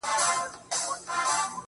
په څه بوخت دی